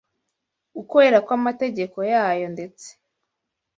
ukwera kw’amategeko yayo ndetse